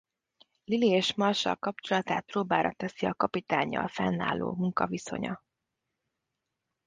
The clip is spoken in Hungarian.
Lily és Marshall kapcsolatát próbára teszi a Kapitánnyal fennálló munkaviszonya.